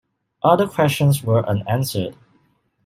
Other questions were unanswered.